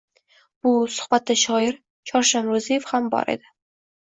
Bu suhbatda shoir Chorsham Ro’ziyev ham bor edi.